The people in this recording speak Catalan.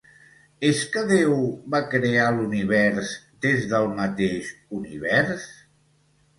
És que Déu va crear l'univers des del mateix univers?